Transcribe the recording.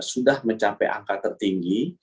sudah mencapai angka tertinggi